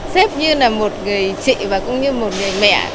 xếp như là một người chị và cũng như một người mẹ